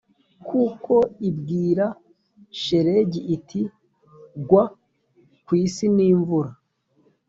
kuko ibwira shelegi iti gwa ku isi n imvura